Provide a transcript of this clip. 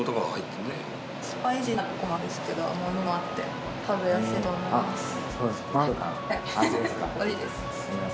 スパイシーなとこもあるんですけど甘みもあって食べやすいと思います。